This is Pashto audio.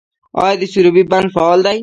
آیا د سروبي بند فعال دی؟